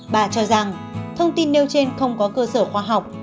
bà cho rằng thông tin nêu trên không có cơ sở khoa học